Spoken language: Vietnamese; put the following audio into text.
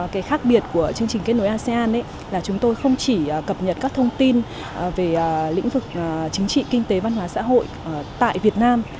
cái khác biệt của chương trình kết nối asean là chúng tôi không chỉ cập nhật các thông tin về lĩnh vực chính trị kinh tế văn hóa xã hội tại việt nam